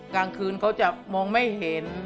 กลางคืนเขาจะมองไม่เห็น